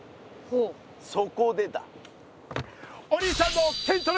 そこでだ。